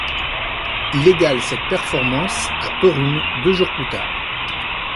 Il égale cette performance à Toruń deux jours plus tard.